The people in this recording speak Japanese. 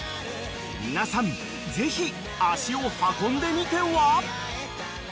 ［皆さんぜひ足を運んでみては？］